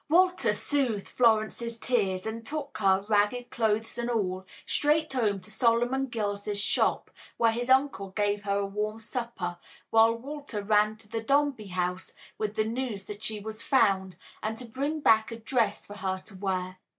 Walter soothed Florence's tears and took her, ragged clothes and all, straight home to Solomon Gills's shop, where his uncle gave her a warm supper, while Walter ran to the Dombey house with the news that she was found, and to bring back a dress for her to wear.